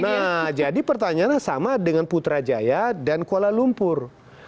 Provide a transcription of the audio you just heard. nah jadi pertanyaannya sama dengan putrajaya dan kuala lumpur